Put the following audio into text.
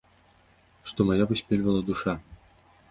Што мая выспельвала душа.